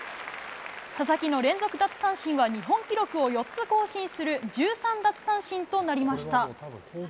佐々木の連続奪三振は日本記録を４つ更新する１３奪三振となりました。